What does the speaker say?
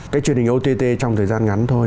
cái truyền hình ott trong thời gian ngắn thôi